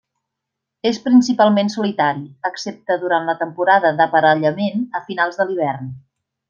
És principalment solitari, excepte durant la temporada d'aparellament a finals de l'hivern.